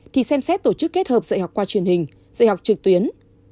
thì xem xét tổ chức kết hợp dạy học qua truyền hình dạy học trực tuyến